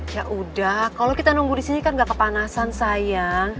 yaudah kalau kita nunggu disini kan gak kepanasan sayang